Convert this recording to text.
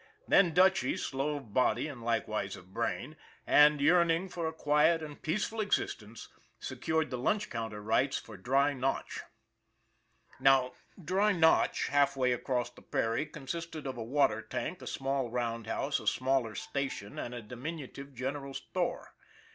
Then Dutchy, slow of body and likewise of brain, and yearning for a quiet and peaceful existence, secured the lunch counter rights for Dry Notch. Now, Dry Notch, half way across the prairie, con sisted of a water tank, a small roundhouse, a smaller station and a diminutive general store.